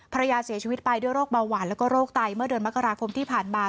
ภรรยาเสียชีวิตไปด้วยโรคเบาหวานแล้วก็โรคไตเมื่อเดือนมกราคมที่ผ่านมา